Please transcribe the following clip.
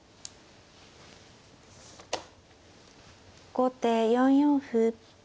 後手４四歩。